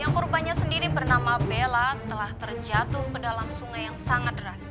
yang korbannya sendiri bernama bella telah terjatuh ke dalam sungai yang sangat deras